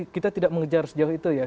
kita tidak mengejar sejauh itu ya